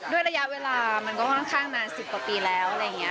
ด้วยระยะเวลามันก็ค่อนข้างนานสิบกว่าปีแล้ว